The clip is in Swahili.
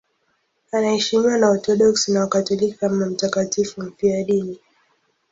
Anaheshimiwa na Waorthodoksi na Wakatoliki kama mtakatifu mfiadini.